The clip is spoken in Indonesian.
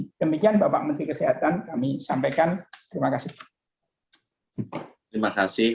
demikian bapak menteri kesehatan kami sampaikan terima kasih